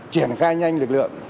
triển khai nhanh lực lượng